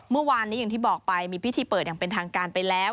เมื่อวานนี้อย่างที่บอกไปมีพิธีเปิดอย่างเป็นทางการไปแล้ว